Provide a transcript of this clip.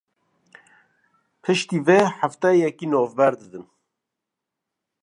Piştî vê hefteyekî navber bidin